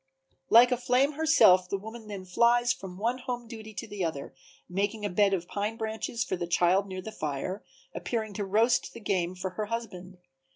Like a flame herself the woman then flies from one home duty to the other, making a bed of pine branches for the child near the fire, appearing to roast the game for her husband.